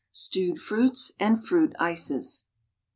STEWED FRUITS AND FRUIT ICES.